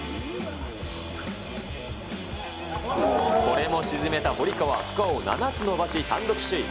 これも沈めた堀川、スコアを７つ伸ばし、単独首位。